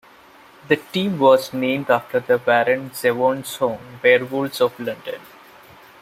The team was named after the Warren Zevon song Werewolves of London.